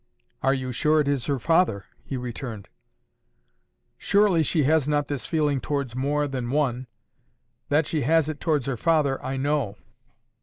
"Are you sure it is her father?" he returned. "Surely she has not this feeling towards more than one. That she has it towards her father, I know."